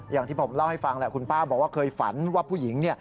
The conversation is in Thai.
อย่างที่ผมเล่าให้ฟังแหละคุณป้าบอกว่าเคยฝันว่าผู้หญิง